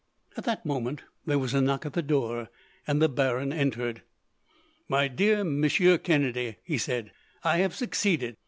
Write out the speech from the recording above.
At this moment there was a knock at the door, and the baron entered. "My dear Monsieur Kennedy," he said, "I have succeeded.